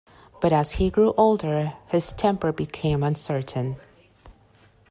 But as he grew older his temper became uncertain.